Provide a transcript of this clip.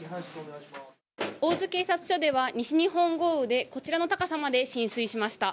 大洲警察署では西日本豪雨でこちらの高さまで浸水しました。